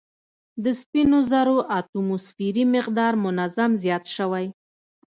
د سپینو زرو اتوموسفیري مقدار منظم زیات شوی